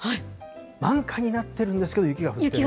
満開になっているんですけれども、雪が降ってる。